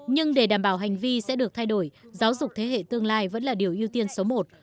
nhưng để đảm bảo hành vi sẽ được thay đổi giáo dục thế hệ tương lai vẫn là điều ưu tiên số một